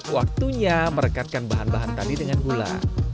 waktunya merekatkan bahan bahan tadi dengan gula